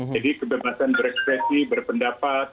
jadi kebebasan berekspresi berpendapatan